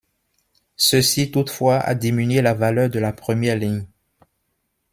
Ceci, toutefois, a diminué la valeur de la première ligne.